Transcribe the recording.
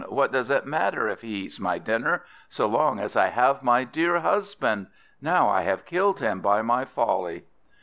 What does it matter if he eats my dinner, so long as I have my dear husband? Now I have killed him by my folly."